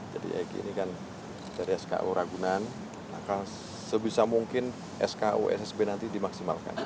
jadi eg eg ini kan dari sku ragunan akan sebisa mungkin sku ssb nanti dimaksimalkan